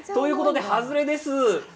外れです。